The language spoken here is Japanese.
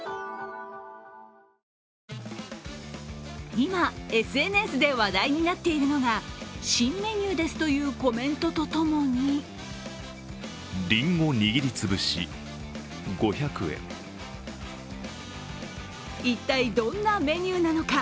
今、ＳＮＳで話題になっているのが「新メニューです」というコメントとともに一体どんなメニューなのか？